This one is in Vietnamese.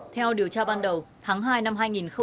theo điều tra ban đầu tháng hai năm hai nghìn hai mươi